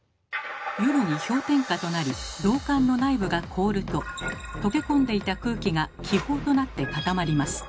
夜に氷点下となり導管の内部が凍ると溶け込んでいた空気が「気泡」となって固まります。